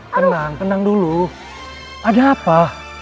tenang tenang dulu ada apa